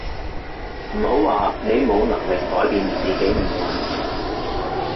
唔好話你冇能力改變自己命運